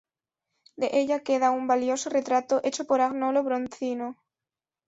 De ella queda un valioso retrato hecho por Agnolo Bronzino.